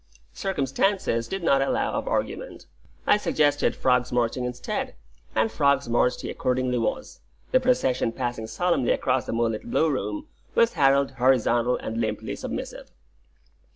Circumstances did not allow of argument; I suggested frog's marching instead, and frog's marched he accordingly was, the procession passing solemnly across the moonlit Blue Room, with Harold horizontal and limply submissive.